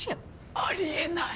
あり得ない。